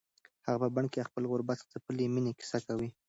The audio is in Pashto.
هغه په بن کې د خپلې غربت ځپلې مېنې کیسه کوي.